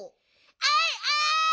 あいあい！